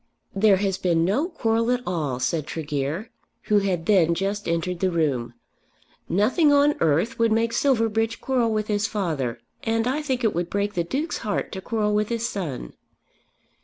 "There has been no quarrel at all," said Tregear, who had then just entered the room. "Nothing on earth would make Silverbridge quarrel with his father, and I think it would break the Duke's heart to quarrel with his son."